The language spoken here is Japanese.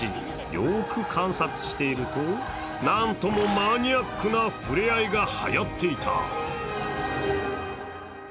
よーく観察していると何ともマニアックな触れ合いがはやっていた。